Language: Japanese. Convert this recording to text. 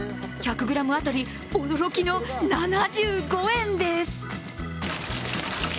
１００ｇ当たり、驚きの７５円です。